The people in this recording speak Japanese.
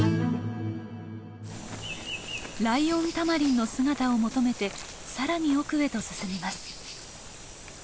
ライオンタマリンの姿を求めてさらに奥へと進みます。